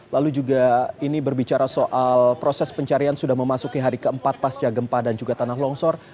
lalu juga ini berbicara soal proses pencarian sudah memasuki hari keempat pasca gempa dan juga tanah longsor